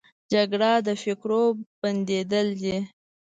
جګړه د فکرو بندېدل دي